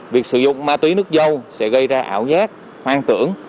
việc sử dụng ma túy nước dâu sẽ gây ra ảo giác hoang tưởng